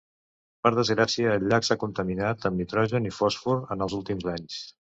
Per desgràcia, el llac s'ha contaminat amb nitrogen i fòsfor en els últims anys.